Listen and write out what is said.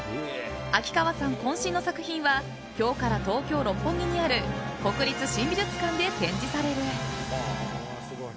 秋川さん渾身の作品は今日から東京・六本木にある国立新美術館で展示される。